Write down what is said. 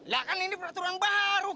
lah kan ini peraturan baru